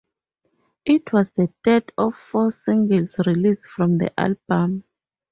It was the third of four singles released from the album.